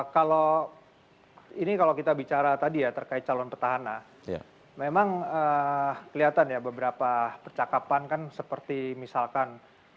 kalau ini kalau kita bicara tadi ya terkait calon petahana memang kelihatan ya beberapa percakapan kan seperti misalkan